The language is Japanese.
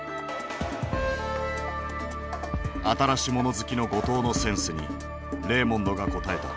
新しもの好きの後藤のセンスにレーモンドが応えた。